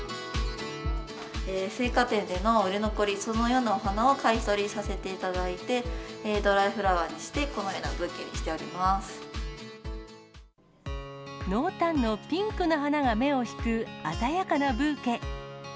生花店での売れ残り、そのようなお花を買い取りさせていただいて、ドライフラワーにして、濃淡のピンクの花が目を引く、鮮やかなブーケ。